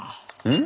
ん？